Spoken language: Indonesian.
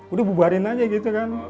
udah bubarin aja gitu kan